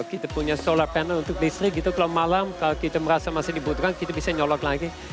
kita punya solar panel untuk listrik gitu kalau malam kalau kita merasa masih dibutuhkan kita bisa nyolot lagi